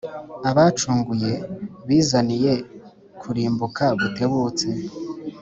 Abacunguye bizaniye kurimbuka gutebutse .